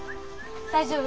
大丈夫。